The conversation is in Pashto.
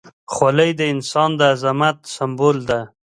خولۍ د انسان د عظمت سمبول ده.